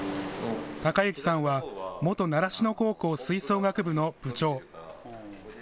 崇之さんは元習志野高校吹奏楽部の部長。